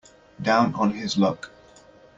Down on his luck.